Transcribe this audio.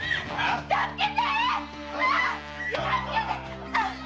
助けて！